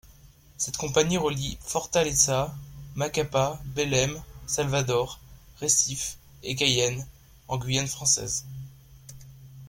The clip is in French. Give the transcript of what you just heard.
Cette compagnie relie Fortaleza, Macapá, Belém, Salvador, Recife et Cayenne en Guyane française.